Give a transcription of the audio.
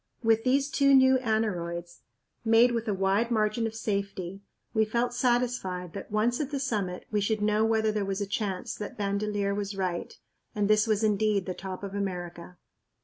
With these two new aneroids, made with a wide margin of safety, we felt satisfied that, once at the summit, we should know whether there was a chance that Bandelier was right and this was indeed the top of America.